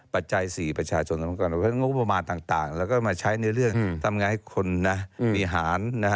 ปัจจัย๔ประชาชนต้องการงบประมาณต่างแล้วก็มาใช้ในเรื่องทำงานให้คนมีหาร